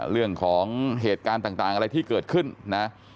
เรื่องของเหตุการณ์ต่างอะไรที่เกิดขึ้นนะ